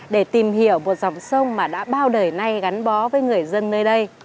để tìm hiểu một dòng sông mà đã bao đời nay gắn bó với người dân nơi đây